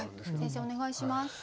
先生お願いします。